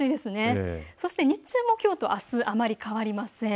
日中も、きょうとあすあまり変わりません。